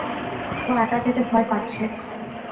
ও একা যেতে ভয় পাচ্ছে।